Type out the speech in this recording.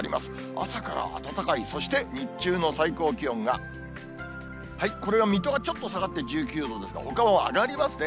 朝から暖かい、そして日中の最高気温が、これが水戸がちょっと下がって１９度ですが、ほかは上がりますね。